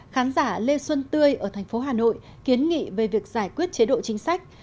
khán giả lê xuân tươi ở thành phố hà nội kiến nghị về việc giải quyết chế độ chính sách